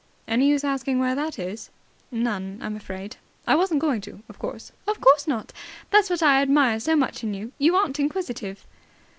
"Any use asking where that is?" "None, I'm afraid." "I wasn't going to, of course." "Of course not. That's what I admire so much in you. You aren't inquisitive."